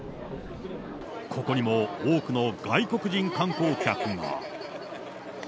ここにも、多くの外国人観光客が。